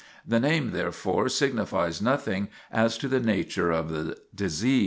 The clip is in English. The name, therefore, signifies nothing as to the nature of the disease.